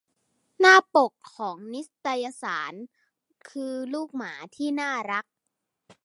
หน้าปกของนิตยสารคือลูกหมาที่น่ารัก